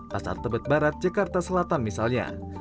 pasar tebet barat jakarta selatan misalnya